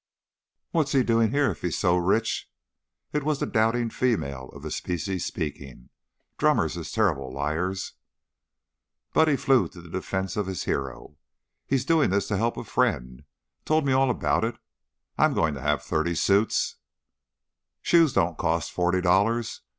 "What's he doin' here if he's so rich?" It was the doubting female of the species speaking. "Drummers is terrible liars." Buddy flew to the defense of his hero. "He's doin' this to he'p a friend. Told me all about it. I'm goin' to have thirty suits " "Shoes don't cost forty dollars.